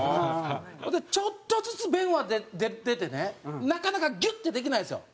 ほんでちょっとずつ便は出てねなかなかギュッてできないんですよ。